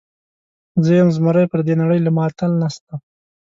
زه یم زمری، پر دې نړۍ له ما اتل نسته.